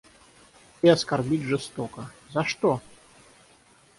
И оскорбить жестоко... За что?